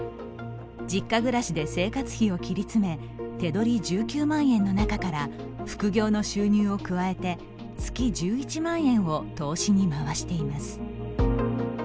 実家暮らしで生活費を切り詰め手取り１９万円の中から副業の収入を加えて月１１万円を投資に回しています。